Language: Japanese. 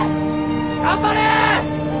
頑張れ！